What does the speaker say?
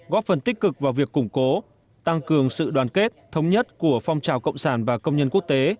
góp phần tích cực vào việc củng cố tăng cường sự đoàn kết thống nhất của phong trào cộng sản và công nhân quốc tế